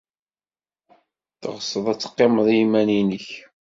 Teɣseḍ ad teqqimeḍ i yiman-nnek?